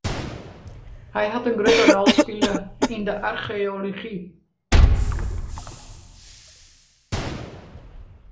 Hy hat in grutte rol spile yn de archeology.